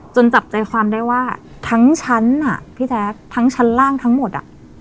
จับใจความได้ว่าทั้งชั้นอ่ะพี่แจ๊คทั้งชั้นล่างทั้งหมดอ่ะ